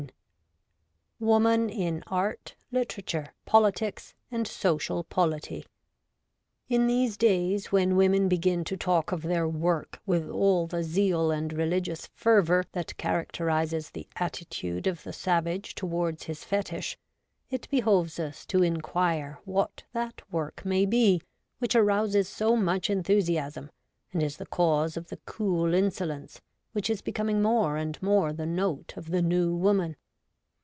III. — Woman in Art, Literature, Politics, AND Social Polity. IN these days, when women begin to talk of their Work with all the zeal and religious fervour that characterises the attitude of the savage towards his fetish, it behoves us to inquire what that Work may be which arouses so much en thusiasm and is the cause of the cool insolence which is becoming more and more the note of the New Woman.